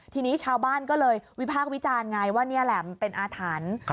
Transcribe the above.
ทีนี้ชาวบ้านก็เลยวิพากษ์วิจารณ์ไงว่านี่แหละมันเป็นอาถรรพ์